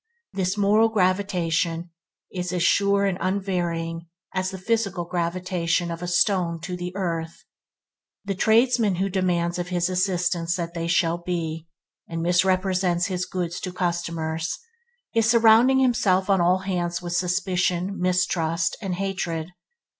This moral gravitation is an sure and unvarying as the physical gravitation of a stone to the earth. The tradesman who demands of his assistants that they shall be, and misrepresents his goods to customers, is surrounding himself on all hands with suspicion, mistrust, and hatred.